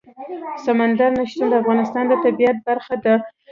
سمندر نه شتون د افغانستان د طبیعت برخه ده.